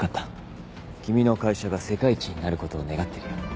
君の会社が世界一になる事を願ってるよ。